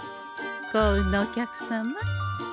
幸運のお客様。